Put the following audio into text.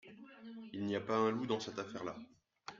Il n’y a pas un loup dans cette affaire-là.